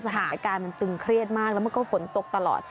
สถานการณ์มันตึงเครียดมากแล้วมันก็ฝนตกตลอด